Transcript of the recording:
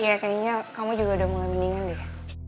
ya kayaknya kamu juga udah mulai mendingan deh